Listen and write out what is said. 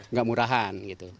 nggak murahan gitu